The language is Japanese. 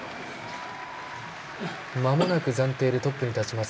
まもなく暫定でトップに立ちます。